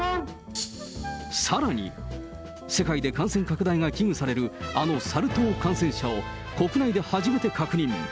さらに、世界で感染拡大が危惧される、あのサル痘感染者を国内で初めて確認。